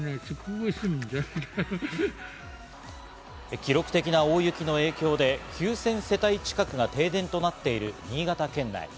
記録的な大雪の影響で９０００世帯近くが停電となっている新潟県内。